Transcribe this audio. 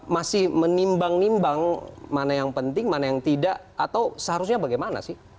masih menimbang nimbang mana yang penting mana yang tidak atau seharusnya bagaimana sih